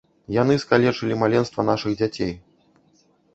Яны скалечылі маленства нашых дзяцей.